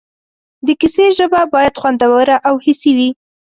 د کیسې ژبه باید خوندوره او حسي وي.